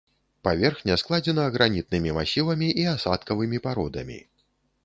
Паверхня складзена гранітнымі масівамі і асадкавымі пародамі.